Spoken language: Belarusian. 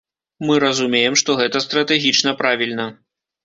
Мы разумеем, што гэта стратэгічна правільна.